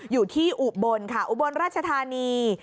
อยู่ที่อุบลค่ะอุบลราชธานี